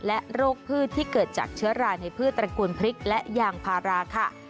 และโรคพืชที่เกิดจากเชื้อราในพืชตระกูลพริกและยางพาราค่ะ